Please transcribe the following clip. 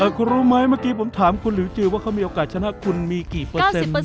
คุณรู้ไหมเมื่อกี้ผมถามคุณหลิวจือว่าเขามีโอกาสชนะคุณมีกี่เปอร์เซ็นต์